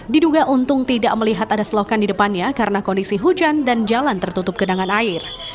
diduga untung tidak melihat ada selokan di depannya karena kondisi hujan dan jalan tertutup genangan air